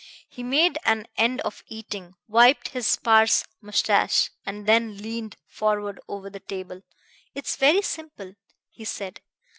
He made an end of eating, wiped his sparse mustache, and then leaned forward over the table. "It's very simple," he said.